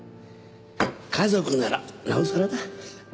家族ならなおさらだ。